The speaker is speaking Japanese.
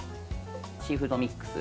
シーフードミックス。